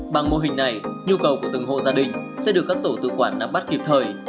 bằng mô hình này nhu cầu của từng hộ gia đình sẽ được các tổ tự quản nắm bắt kịp thời